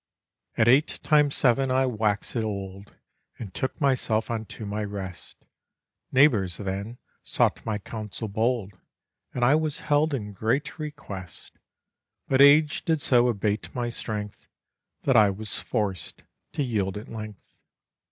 At eight times seven I waxèd old, And took myself unto my rest, Neighbours then sought my counsel bold, And I was held in great request; But age did so abate my strength, That I was forced to yield at length.